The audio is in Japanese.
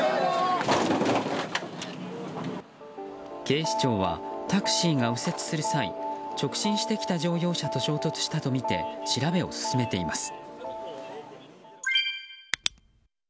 警視庁はタクシーが右折する際直進してきた乗用車と衝突したとみて調べを進めています。